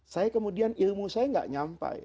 saya kemudian ilmu saya tidak nyampai